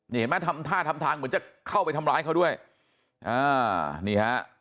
เห็นไหมทำท่าทำทางเหมือนจะเข้าไปทำร้ายเขาด้วยอ่านี่ฮะ